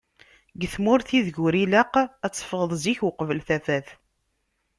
Deg tmurt i deg ur ilaq ad tefɣeḍ zik uqbel tafat.